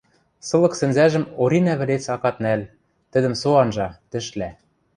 Сылык сӹнзӓжӹм Оринӓ вӹлец акат нӓл, тӹдӹм со анжа, тӹшлӓ.